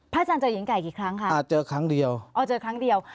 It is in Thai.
อาจารย์เจอหญิงไก่กี่ครั้งคะอ่าเจอครั้งเดียวอ๋อเจอครั้งเดียว